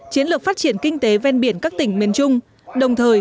đây là yếu tố quan trọng